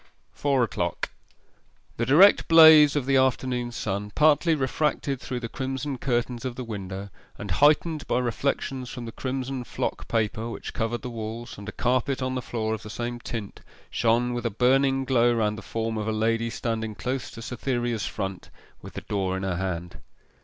FOUR O'CLOCK The direct blaze of the afternoon sun, partly refracted through the crimson curtains of the window, and heightened by reflections from the crimson flock paper which covered the walls, and a carpet on the floor of the same tint, shone with a burning glow round the form of a lady standing close to Cytherea's front with the door in her hand.